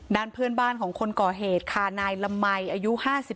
ด้านเพื่อนบ้านของคนก่อเหตุค่ะนายละมัยอายุ๕๓